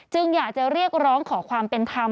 อยากจะเรียกร้องขอความเป็นธรรม